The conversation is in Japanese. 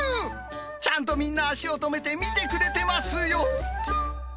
ちゃんとみんな、足を止めて見てくれてますよ。